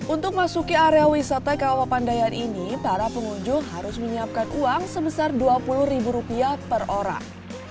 untuk masuk ke area wisata kawapandayan ini para pengunjung harus menyiapkan uang sebesar dua puluh ribu rupiah per orang